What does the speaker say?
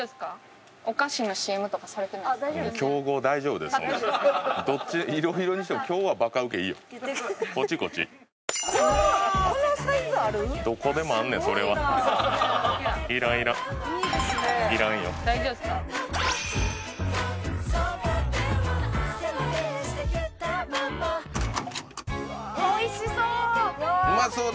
おいしそう！